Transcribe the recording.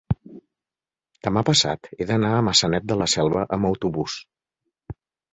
demà passat he d'anar a Maçanet de la Selva amb autobús.